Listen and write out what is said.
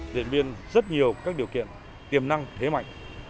điện biên rất nhiều các điều kiện tiềm năng thế mạnh